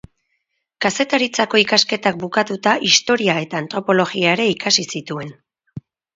Kazetaritzako ikasketak bukatuta historia eta antropologia ere ikasi zituen.